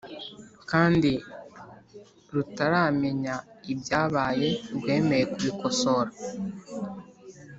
Kandi rutaramenye ibyabaye rwemeye kubikosora